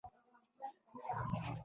د ملکي خلکو وژل هغوی ته عادي کار ښکارېده